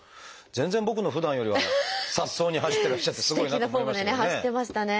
全然僕のふだんよりはさっそうに走ってらっしゃってすごいなと思いましたけどね。